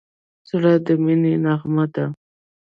زړه د مینې نغمه ده.